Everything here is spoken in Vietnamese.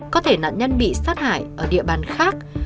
có thể nạn nhân bị sát hại ở địa bàn khác